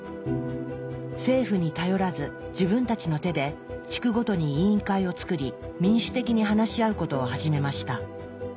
政府に頼らず自分たちの手で地区ごとに委員会を作り民主的に話し合うことを始めました。